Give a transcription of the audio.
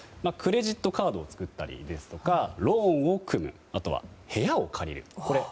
クレジットカードを作ったりですとかローンを組むあとは部屋を借りる。